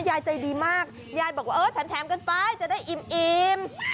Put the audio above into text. ยายใจดีมากยายบอกว่าเออแถมกันไปจะได้อิ่ม